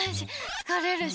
疲れるし。